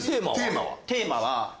テーマは？